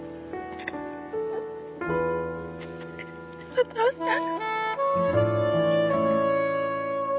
お父さん。